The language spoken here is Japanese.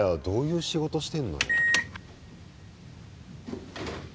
どういう仕事してんのよ。